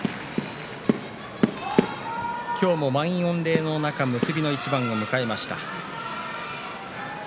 今日も満員御礼の中結びの一番を迎えました。